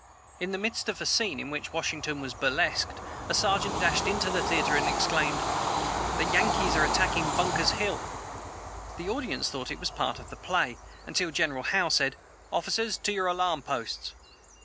In the midst of the scene in which Washington was burlesqued, a sergeant dashed into the theatre and exclaimed, "The Yankees are attacking Bunker's hill!" The audience thought it was part of the play, until General Howe said, "Officers, to your alarm posts!"